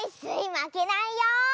まけないよ！